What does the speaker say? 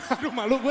aduh malu gue